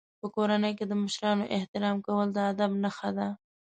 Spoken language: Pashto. په کورنۍ کې د مشرانو احترام کول د ادب نښه ده.